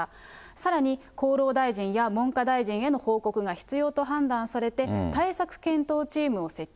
さらに厚労大臣や文科大臣への報告が必要と判断されて、対策検討チームを設置。